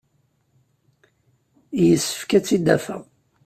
Yessefk ad tt-id-afeɣ.